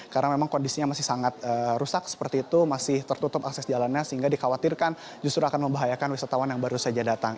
karena memang kondisinya masih sangat rusak seperti itu masih tertutup akses jalannya sehingga dikhawatirkan justru akan membahayakan wisatawan yang baru saja datang